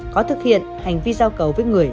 có thực hiện hành vi giao cầu với người